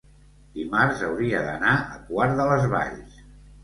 Dimarts hauria d'anar a Quart de les Valls.